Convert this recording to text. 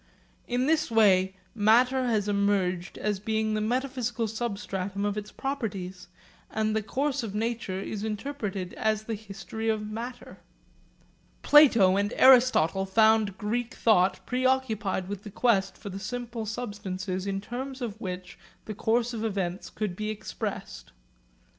In this way matter has emerged as being the metaphysical substratum of its properties, and the course of nature is interpreted as the history of matter. Plato and Aristotle found Greek thought preoccupied with the quest for the simple substances in terms of which the course of events could be expressed.